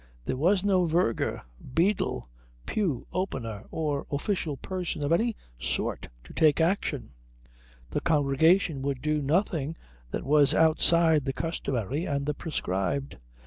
There was no verger, beadle, pew opener, or official person of any sort to take action. The congregation would do nothing that was outside the customary and the prescribed.